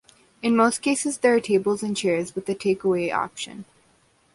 In most cases there are tables and chairs with a take-away option.